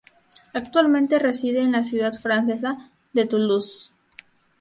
Actualmente reside en la ciudad francesa de Toulouse.